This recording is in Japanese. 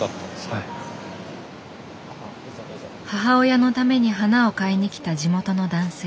母親のために花を買いに来た地元の男性。